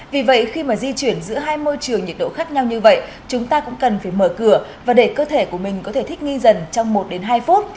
vì vậy khi mà di chuyển giữa hai môi trường nhiệt độ khác nhau như vậy chúng ta cũng cần phải mở cửa và để cơ thể của mình có thể thích nghi dần trong một đến hai phút